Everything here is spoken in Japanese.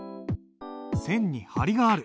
線に張りがある。